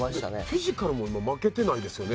フィジカルも今負けてないですよね。